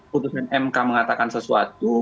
putuskan mk mengatakan sesuatu